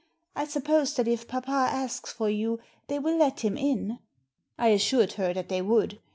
I suppose that if papa asks for you they will let him in ?" I assured her that they would.